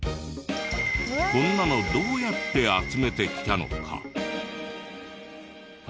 こんなのどうやって集めてきたのか？